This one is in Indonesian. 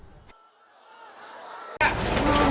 jangan lupa jangan lupa